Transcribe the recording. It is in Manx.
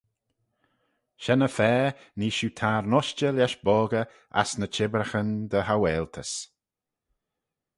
Shen-y-fa nee shiu tayrn ushtey lesh boggey ass ny chibbraghyn dy haualtys.